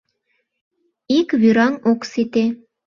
— Ик вӱраҥ ок сите!